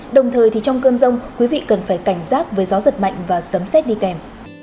đồng thời thì trong cơn rông quý vị cần phải cảnh giác với gió giật mạnh và sấm xét đi kèm